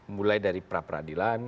mulai dari pra peradilan